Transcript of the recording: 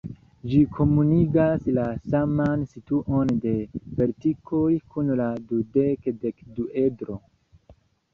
Ĝi komunigas la saman situon de verticoj kun la dudek-dekduedro.